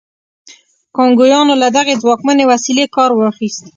کانګویانو له دغې ځواکمنې وسیلې کار واخیست.